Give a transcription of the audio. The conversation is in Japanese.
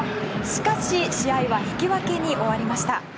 しかし試合は引き分けに終わりました。